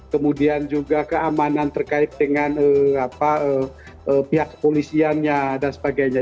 kemudian juga keamanan terkait dengan pihak kepolisiannya dan sebagainya